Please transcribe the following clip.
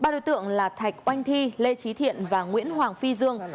ba đối tượng là thạch oanh thi lê trí thiện và nguyễn hoàng phi dương